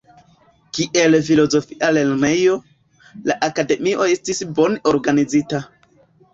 Kiel filozofia lernejo, la Akademio estis bone organizita.